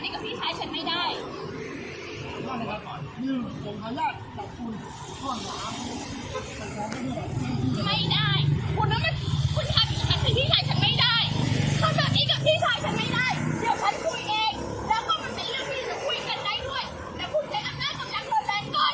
แต่คุณจะอำนาจกำลังเผินแรงก่อนใครเข้าใจไหม